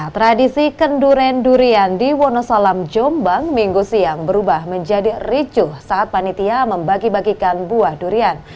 tradisi kenduren durian di wonosalam jombang minggu siang berubah menjadi ricuh saat panitia membagi bagikan buah durian